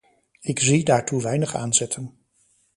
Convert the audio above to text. Ik zie daartoe weinig aanzetten.